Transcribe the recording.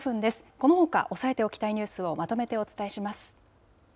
このほか、押さえておきたいニュースをまとめてお伝えします。